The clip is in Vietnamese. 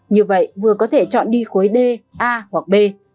như vậy vừa có thể chọn đi khối d a hoặc b